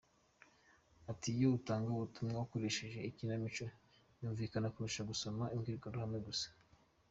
Ati “Iyo utanga ubutumwa ukoresheje ikinamico yumvikana kurusha gusoma imbwirwaruhame gusa.